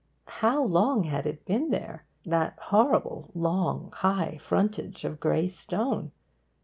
How long had it been there, that horrible, long, high frontage of grey stone?